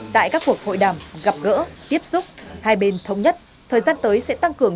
tại các cuộc hội đàm gặp gỡ tiếp xúc hai bên thống nhất thời gian tới sẽ tăng cường